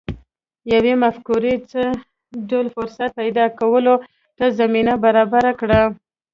يوې مفکورې څه ډول فرصت پيدا کولو ته زمينه برابره کړه؟